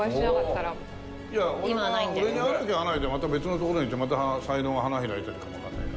俺に会わなきゃ会わないでまた別の所に行ってまた才能が花開いてるかもわからないから。